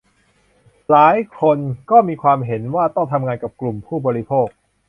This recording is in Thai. หลายคน ก็มีความเห็นว่าต้องทำงานกับกลุ่มผู้บริโภค